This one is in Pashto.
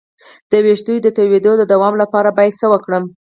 د ویښتو د تویدو د دوام لپاره باید څه وکړم؟